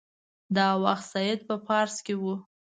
دا وخت سید په پاریس کې وو.